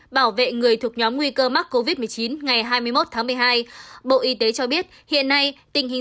bảo vệ người thuộc nhóm nguy cơ mắc covid một mươi chín ngày hai mươi một tháng một mươi hai bộ y tế cho biết hiện nay tình hình